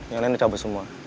yang lain dicabut semua